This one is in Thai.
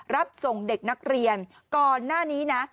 รับส่งเด็กนักเรียนก่อนหน้านี้นะ